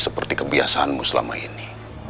seperti kebiasaanmu selama ini